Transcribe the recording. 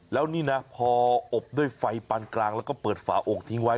แล้วนี่นะพออบด้วยไฟปานกลางแล้วก็เปิดฝาอกทิ้งไว้